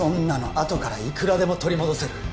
あとからいくらでも取り戻せる